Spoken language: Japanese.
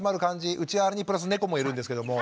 うちはあれにプラス猫もいるんですけども。